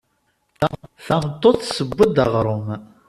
Tameṭṭut tessew-d aɣṛum.